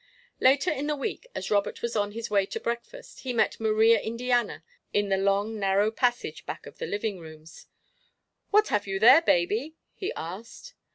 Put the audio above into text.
Later in the week, as Robert was on his way to breakfast, he met Maria Indiana in the long, narrow passage back of the living rooms. "What have you there, baby?" he asked.